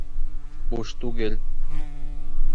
Буш түгел!